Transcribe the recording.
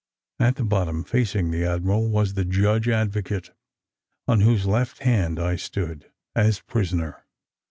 At the bottom, facing the admiral, was the judge advocate, on whose left hand I stood, as prisoner.